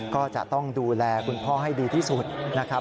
ก็จะต้องดูแลคุณพ่อให้ดีที่สุดนะครับ